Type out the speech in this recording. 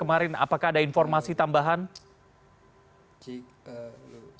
apakah ada informasi tambahan dari mahasiswa yang diperiksa kemarin